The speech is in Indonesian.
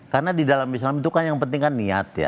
karena di dalam islam itu kan yang penting kan niat ya